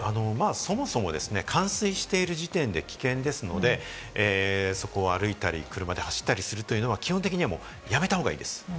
そもそも冠水している時点で危険ですので、そこを歩いたり、車で走ったりするというのは基本的にやめた方がいいです。